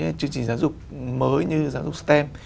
và các cái chương trình giáo dục mới như giáo dục stem